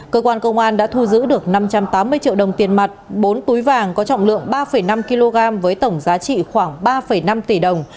cơ quan công an đã thu giữ được năm trăm tám mươi triệu đồng tiền mặt bốn túi vàng có trọng lượng ba năm kg với tổng giá trị khoảng ba năm tỷ đồng